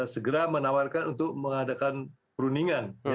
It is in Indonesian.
segera menawarkan untuk mengadakan perundingan